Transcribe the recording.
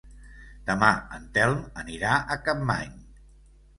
Demà en Telm anirà a Capmany.